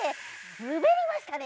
すべりましたね！